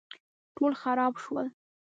ټول خراب شول